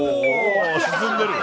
沈んでるよ。